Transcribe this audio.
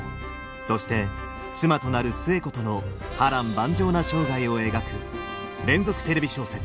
そして妻となる寿恵子との波乱万丈な生涯を描く連続テレビ小説